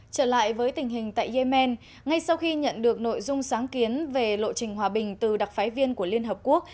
trở lại với tình hình tại yemen ngay sau khi nhận được nội dung sáng kiến về lộ trình hòa bình từ đặc phái viên của liên hợp quốc